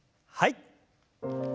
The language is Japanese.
はい。